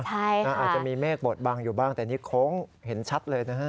อาจจะมีเมฆบดบังอยู่บ้างแต่นี่โค้งเห็นชัดเลยนะฮะ